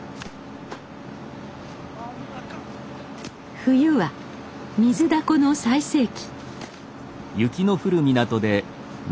冬はミズダコの最盛期。